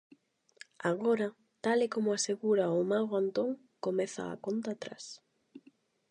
Agora, tal e como asegura o Mago Antón, comeza a conta atrás.